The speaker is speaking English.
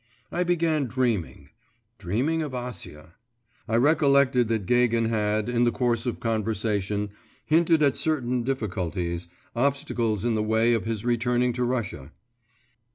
I began dreaming dreaming of Acia. I recollected that Gagin had, in the course of conversation, hinted at certain difficulties, obstacles in the way of his returning to Russia.